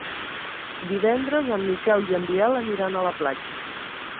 Divendres en Miquel i en Biel aniran a la platja.